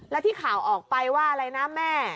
แล้วที่ข่าวออกไปว่าอะไรนะแม่